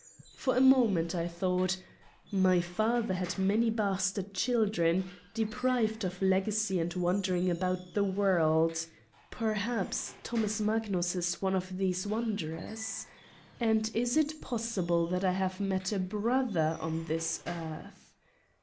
For a moment I thought : My Father had many bastard children, deprived of legacy and wandering about the world. Perhaps Thomas .Magnus is one of these wanderers? And is it pos sible that I have met a brother on this earth?